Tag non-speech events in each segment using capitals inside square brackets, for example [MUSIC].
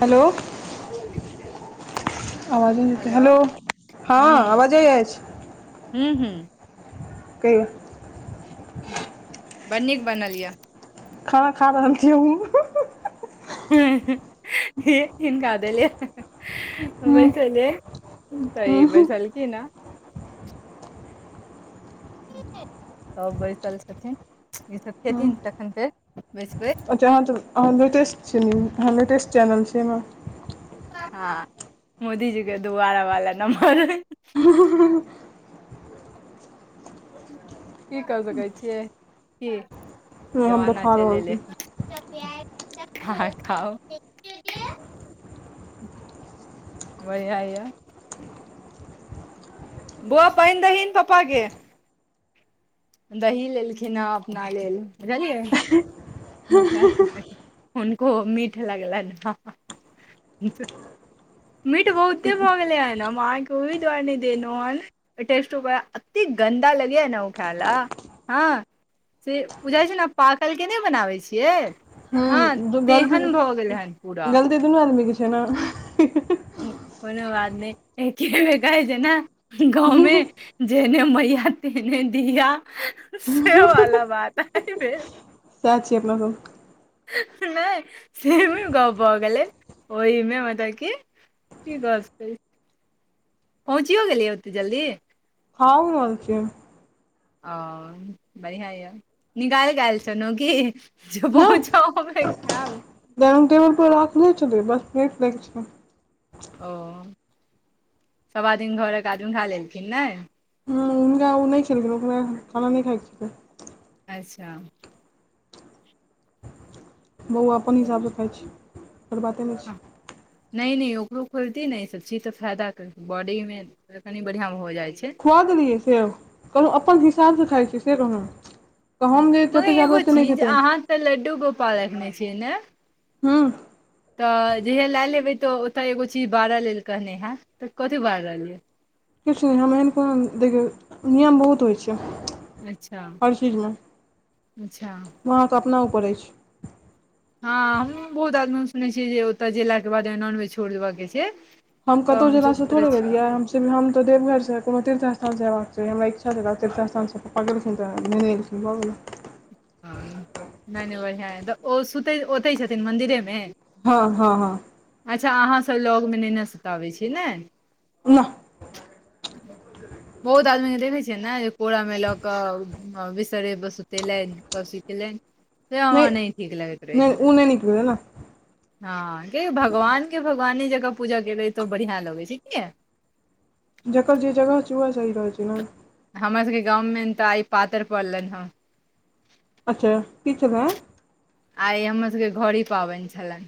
Hello आवाजे जेतै hello हँ आवाज जाइ अछि। हूँ हूँ कहियौ। ह बड़ नीक बनल यऽ। खाना खा रहल छियै हमहु। ह्म ह्म हिनका दलियै। हमहूँ बैसल तऽ ई बैसल की ह। सब बैसल छथिन ई सभ खेथिन तखन फेर बैसबै। अच्छा अहाँ तऽहाँ लेटेस्ट छिय न्यूज अहाँ लेटेस्ट चैनल छैय ने। हँ मोदीजी के दोबारा वाला नम्बर। की क सकै छियै की? नहि हम देखा रहल छी। ह खाउ। बढ़िआँ यऽ। बौ पानि दहीन पप्पा के। दही लेलखिन हेँ अपना लेल [UNINTELLIGIBLE] हुनको मीठ लगलैन ह। मिठ बहुते भोगलय हन आहाँ ओहि दुआार नहि देनव हन। टेस्टूप अते गन्दा लगय न ओ ख्यल हँ। से बुझाई छैय ने पाकल के नहि बनाबै छियै। हँ गलत तेहन भऽ गेलै हन पूरा गलती दुनू आदमी के छैय ने। कोनो बात नहि एकेगो कहै छैय ने गाँवमे। जेहने मैया तेहने धिया से वाला बात [UNINTELLIGIBLE] नहि सेमे गप भऽ गेलै ओहिमे मतलब कि। [UNINTELLIGIBLE] पहुँचियो गेलियै ओते जल्दी। हँ हो [UNINTELLIGIBLE] ओ बढ़ियाॅं यऽ निकाल कऽ आयल छलो की? ने [UNINTELLIGIBLE] [UNINTELLIGIBLE] ओ सब आदमी घरके आदमी खा लेलखिन नै। नहि ओ नहि खेलखिन ओकरा खा नहि खाय [UNINTELLIGIBLE] अच्छा बौआ अपन हिसाबसँ खाई छी ओकर बाते नहि छैय। नहि नहि ओकरो खोबतै ने ई सब चीजसँ फायदा करतै बॉडीमे त कनि बढ़िआं भऽ जाइ छैय। खुआ देलियै सेव कहलहुँ अपन हिसाबसँ खाइ छैय से कहलहुँ। तऽ हम जे मगर जतेक चाहबै एगो ओतेक नहि चीज खेतै अहाँ तऽ लड्डू गोपाल रखने छियै ने? हूँ तऽ जहिया लए हेबै तऽ ओतऽ एगो चीज बारऽ लेल कहने हैतऽ त कथी बारल यऽ? किछु नहि हम एहन कोनो देखियौ नियम बहुत होइ छैय। अच्छा हर चीज मे अच्छा अहाँके अपना ऊपर अछि। हँ हमूँ बहुत आदमी हम सुनैत छियै जे ओतय गेलाके बादमे नॉनवेज छोड़ि देबय के छैय। हम कतहु जेलासँ थोड़े गेलियै हम हम तऽ देवघरसँ कोनो तीर्थ स्थानसँ अयबाक चाही हमरा इच्छा छला त तीर्थस्थान पकड़लखिन तऽ [UNINTELLIGIBLE] नहि नहि बढ़िआँ हइ तऽ ओ सुतै ओतै छथिन मन्दिरेमे? हँ हँ हँ अच्छा अहाँसब लगमे नैने सुताबै छियै ने? नहि [UNINTELLIGIBLE] बहुत आदमी के देखै छै ने जे कोरा में ल के बिसतरे पर सुतेलैन सब चीज से हमरा नहि ठीक लगैत रहैया उ नै नीक भेल ने हँ के भगवान के भगवानी जकाँ पूजा केले तऽ बढ़िआँ लगै छै किने जकर जे जगह छै उएह सही रहै छै ने हमरा सबके गाँवमे तऽ आइ पातर पड़लनि हन अच्छा की छलाह आइ हमर सबके घड़ी पाबैन छलाए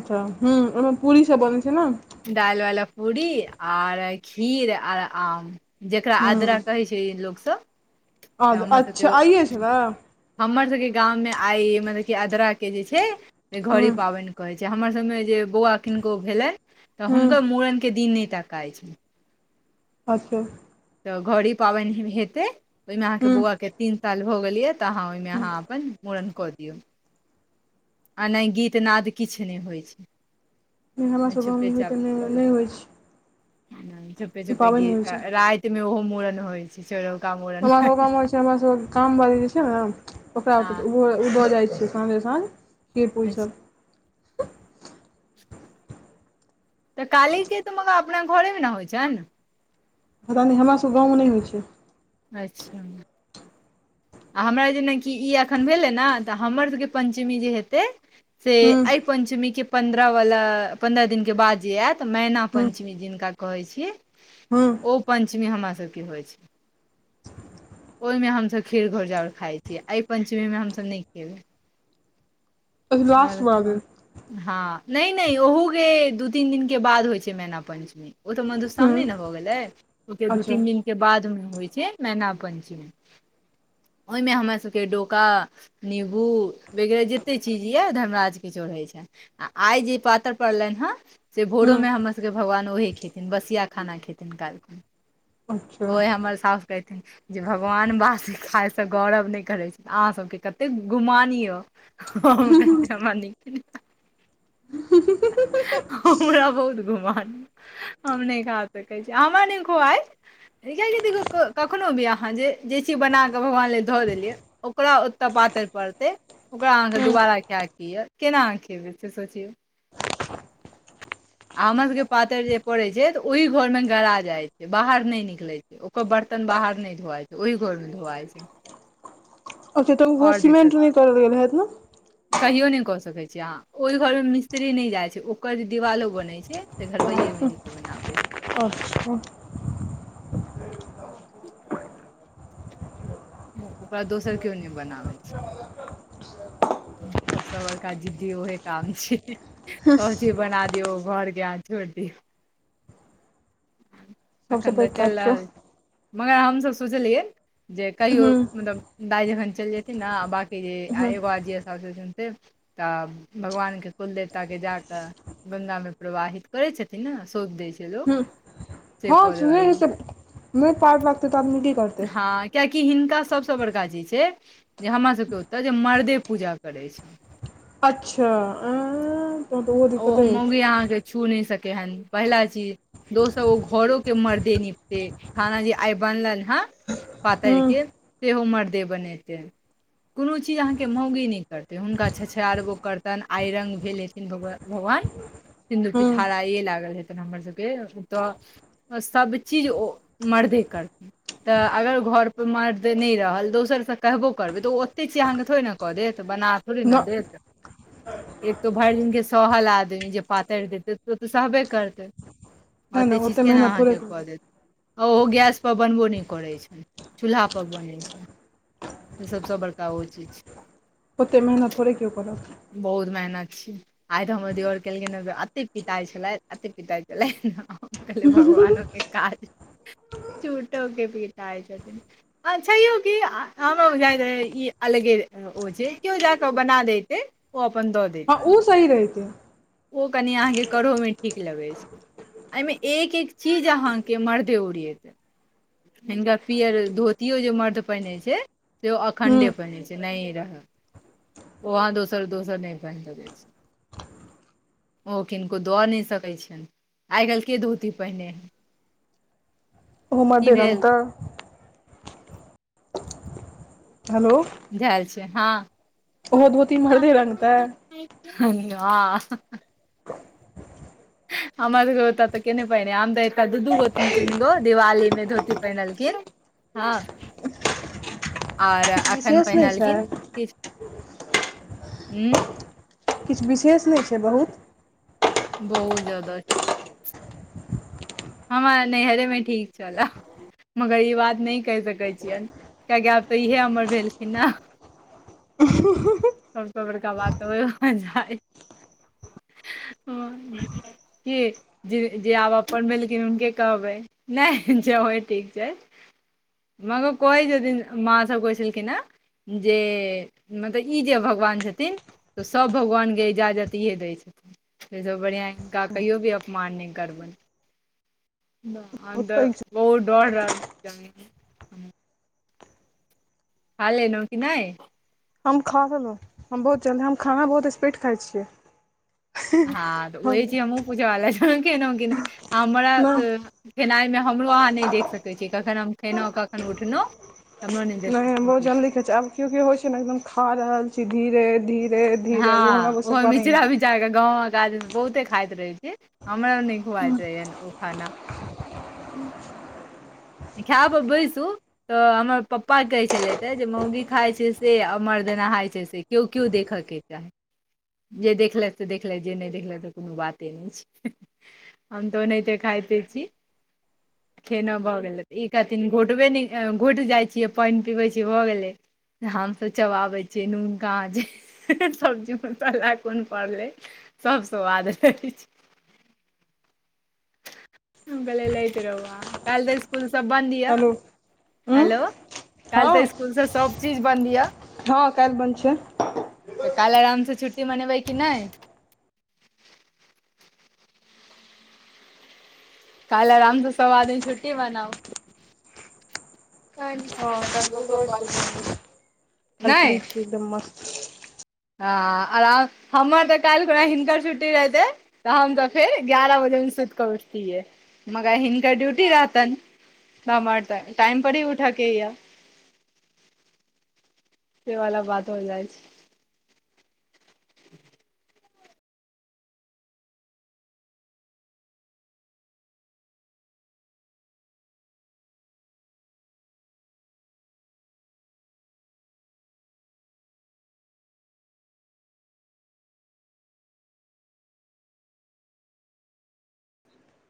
अच्छा ह्म ओहिमे पूरी सब बनै छै ने दाइलवाला पूरी आर खीर आर आम जेकरा आद्रा कहै छै लोकसब आ् अच्छा आइए छलै हमर सबके गाममे आइ मतलब कि अदराके जे छै हूँ घड़ी पाबनि कहै छै हमर सबमें जे बौआ किनको भेलै तऽ हूँ हुनकर मूड़नके दिन नहि तकाइ छै अच्छा तऽ घड़ी पाबैन हेते ओहिमे अहाँके हूँ बौआ के तीन साल भऽ गेल ये तऽ अहाँ ओहिमे अहाँ अपन मूड़न कऽ दियौ आ नहि गीत नाद किछ नहि होइ छै नहि हमरा सब गाँवमे चुपे इहो चाप तऽ नहि करू नहि होइ छै चुपे ई छुपे पाबनि गी नहि होइ छै राइतमे ओहो मूड़न होइ छै चोरौका मूड़न हमरा सबके गांव होय छै हमर सबके काम वाली जे छै ने ओकरा हँ ओत ओ दऽ जाइ छै संगे सङ्ग खीड़ पुरी अच्छा, सब तऽ काली के तऽ मगर अपना घरेमे न होइ छै न पता नहि हमरा सब गाँवमे नहि होइ छै अच्छा आ हमरा जेनाकि ई एखन भेलै ने तऽ हमर सबके पंचमी जे हेतै से हूँ अहि- पंचमी के पन्द्रह वला पन्द्रह दिन के बाद जे आयत मैना हूँ पंचमी जिनका कहै छियै हूँ ओ पंचमी हमरा सबके होइ छै ओहिमे हमसब खीर घोर जाउर खाइ छीयै एहि पञ्चमीमे हमसब नहि खेबै अच्छा लास्ट और [INAUDIBLE] बला दिन हँ नहि नहि ओहुके दू तीन दिन के बाद होइ छै मैना पंचमी ओ तऽ मधुश्रावणी हूँ ने हो गेलै ओहिके दू अच्छा तीन दिनके बादमे होइ छै मैना पञ्चमी ओहिमे हमर सबके डोका नीमबू वगैरह जते चीज यए धर्मराज के चढ़ैत छैन आ आइ जे पातर पड़लैन हन से भोरो हूँ मे हमर सबके भगवान ओहे खेथिन बसिया खाना खेथिन काइलखुन अच्छा ओह हमर साउस कहैत रहथिन जे भगवान वासी खायसँ गौरव नहि करै छै तऽ अहाँसबके कतेक गुमान यए हम कहि हमरा नीके नै लागया हमरा बहुत गुमान यै हम नहि खा सकै छि हमरा नहि खुवात [INAUDIBLE] कखनो भी अहाँ जे जे चीज बना भगवान ल धऽ देलियै ओकरा ओतऽ पातैर पड़तै ओकरा अहाँके हूँ दुबारा ख क यए केना अहाँ खेबै से सोचियौ आ हमर सभके पातरि जे पड़ैत छै तऽ ओहि घरमे गरा जाइत छै बाहर नहि निकलैत छै ओकर बर्तन बाहर नहि धुआइ छै ओहि घर मे धूआइ छै अच्छा त उहो आओर दिक्कत समेंन्ट नहि करल गेलै हैत ने कहियो ने क सके छीे अहा ओई घर में मिस्त्री न जाय छै ओकर जे दिवालो बनय से घरबैये मिल के बनाबै छै अच्छा [INAUDIBLE] ओकरा दोसर केओ नहि बनाबै छै सबस बड़का जिद्दी उहे काम छिय सब चीज बना दियौ घरके अहाँ छोड़ दियौ सबसँ एखन तऽ पैघ चलि काज छै रहल मगर हमसब सोचलियै जे कहियो हूँ मतलब दाइ जखन चइल जे नहि बाकी जे हूँ एगो अजिया सास छथिन से तऽ भगवानके कुल देवताके जााकऽ ग्ंगामे प्रवाहित करैत छथिन ने सौंप दैत छै लोक हूँ से हँ करे सुने वाली छै नहि पार लागतै त आदमी की करतै हाय कियाकि हिनका सभसँ बड़का चीज छै जे हमरा सबके ओतय जे मर्दे पूजा करै छै अच्छा आंय ओहो मौँगी अहाँकेँ छू नहि सकै हन पहिला चीज दोसर ओ घरो के मर्दे निपते खाना जे आइ बनलनि हन हुँ पातरि के सेहो मर्दे बनेते कोनो चीज अहाँके मौगी नहि करतै हुनका छछारबो करतन आइ रङंगग भेल एथिन भगवान भगवान सिन्दुर हुँ पिठार आइये लागल हेतन हमर सबके ओतऽ सब चीज ओ मरदे करथिन तऽ अगर घर पर मर्द नहि रहल दोसरसँ कहबो करबै तऽ ओते छी अहाँके थोड़े ने कऽ देत बना थोड़े न देत एक त भरि दिनके - सहल आदमी जे पातरि देतै तऽ ओ तऽ सहबे करतै ओते नहि चीज केना मेहनत थोड़े अहाँके कऽ देत आ ओहो गैसपर बनबो नहि करैत छनि चूल्हापर बनै छनि सबसँ बड़का ओ चीज छै ओतेक मेहनत थोड़े कियो करत बहुत मेहनत छैय आइ तऽ हमर देअवर केलखिन हँन अते पिताई छलथि अत पिताई छलथि हुनका लेल भगवान ओते काज झुठो के पीताइ छथिन आओर छहिये की आनो बुझायत रहै ई अलगे ओ जे केओ जाके बना देते ओ अपन दऽ दे हँ ओ सही रहैते ओ कनि अहाँके करहोमे ठीक लगैत छै एहिमे एक एक चीज अहाँके मरदे ओरियते हिनका पिअर धोतियो जे मर्द पहिनै छै से हुँ अखण्डे पहिनेै छै नहि रहल वो अहाँ दोसर दोसर नहि पहिर सकैत छै ओ किनको दऽ नहि सकैत छनि आइ काल्हि के धोती पहिने हे ओहो मर्दे भेल रंगतेय हेलो धैल छै हँ ओहो धोती मरदे रङ्गतेय हॉं हह हमर सभके ओतय तऽ केने पहिने आ हम तऽ एतय दू दू गो तीन तीन गो दिवालीमे धोती पहिरलखिन हँ और किछु अखन विशेष नहि छै पहिनलखिन किछु ह्म किछु विशेष नहि छै बहुत बहुत जादा हमरा नैहरे में ठीक छला मगर ई बात नहि कहि सकैत छियनि कियाकि आब तऽ इहे हमर भेलखिन न सबसँ बड़का बात त ओइम मजा अइ ह कि जे जे आब अपन भेल से हुनके कहबै नहि जे होई ठीक छै मगर कहि छथिन मां सभ कहइ छलखिन हैं जे मतलब ई जे भगवान छथिन तऽ सभ भगवानके इजाजत इहे दै छथिन सेसँ बढ़िआँ हिनका कहियो भी अपमान नहि करबनि हम बहुत त पैघ छै बहुत डर लागैया जानली खालेलौ की नहि हम खा लेलहुँं हम बहुत जल्दी हम खाना बहुत स्पीड खाइ छियै हँ तऽ हम ओहि चीज हमहूँ पूछ रहल अछि छल कि नमकीन हमरा नहि खेनाइमे हमरो अहाँ नहि देख सकैत छी कखन हम खेयलहुँ कखन उठलहुँ हमरो नहि देख लगैया हम बहुत सकैत छी जल्दी खाइछीे आब केओ केओ होइ छै ने एकदम खा रहल छी धीरे धीरे धीरे ओ हमरा म सकबा नहि या जाक गाँव म गाजर बहुते खाइत रहे छै हमरा नै खुआइत रहेया ओ खाना खै पर बैसू तऽ हमर पप्पा कहैत छलथि हे जे मौगी खाइत छै से आ मर्द नहाय छै से केओ केओ देखयके जे देखलथि से देखलथि जे नहि देखलथिऽ त कोनो बाते नहि छै हम तऽ ओनाहिते खायते छी खेनाइ भऽ गेलै ई कहथिन घोटबे नहि घोटि जाइ छियै पानि पीबै छियै भऽ गेलै हमसं चबाबै छियै नून कहां छै सब्जी मसाला कोन पड़लै सब सुआद रहै छै हम कहलियै लैत रहू अहां काल्हि तऽ स्कुल सभ बन्द यए हेलो उँ हेलो काल्हि हँ तऽ स्कुलसँ सब चीज बन्द यऽ हँ काल्हि बन्द छै तऽ काल्हि आरामसँ छुट्टी मनेबै कि नहि काल्हि आराम स सब आदमी छुट्टी मनाउ हँ काल्हि ककरो इसकुल बन्द छै काल्हि नहि फ्री छी एकदम मस्त हँ आराम हमर तऽ काल्हि खुना हिनकर छुट्टी रहतै तऽ हम तऽ फेर ग्यारह बजेमे सुत कऽ उठतियै मगर हिनका ड्यूटी रहतनि त हमर त टाइम पर ही उठा के या से वाला बात भ जाइ छै [INAUDIBLE]